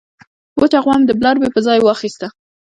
وچه غوا مې د بلاربې په ځای واخیسته.